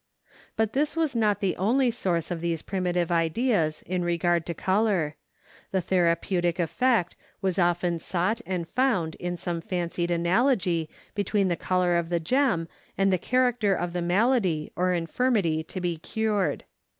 But this was not the only source of these primitive ideas in regard to color; the therapeutic effect was often sought and found in some fancied analogy between the color of the gem and the character of the malady or infirmity to be cured.